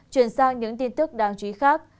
chuyển sang những tin tức đáng chú ý khác